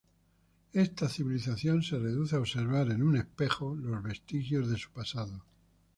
Esta civilización "se reduce a observar en un espejo los vestigios de su pasado".